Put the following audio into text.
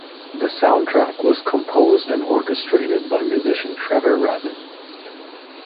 The soundtrack was composed and orchestrated by musician Trevor Rabin.